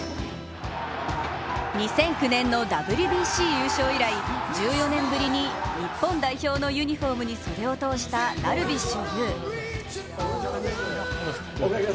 ２００９年のＷＢＣ優勝以来、１４年ぶりに日本代表のユニフォームに袖を通したダルビッシュ有。